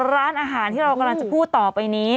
ร้านอาหารที่เรากำลังจะพูดต่อไปนี้